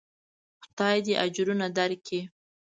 خداى دې اجرونه درکي.